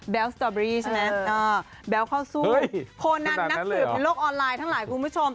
สตอเบอรี่ใช่ไหมแบ๊วเข้าสู้โคนันนักสืบในโลกออนไลน์ทั้งหลายคุณผู้ชม